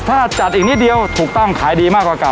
ถ้าจัดอีกนิดเดียวถูกต้องขายดีมากกว่าเก่า